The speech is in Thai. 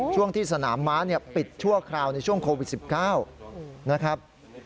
ช่วงที่สนามม้าปิดชั่วคราวในช่วงโควิด๑๙นะครับ